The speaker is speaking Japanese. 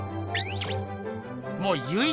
もう「由一」